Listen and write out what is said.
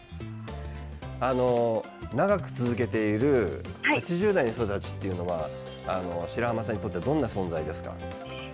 長く続けている８０代の人たちというのは白浜さんにとってどんな存在ですか？